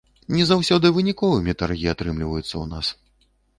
Не заўсёды выніковымі таргі атрымліваюцца ў нас.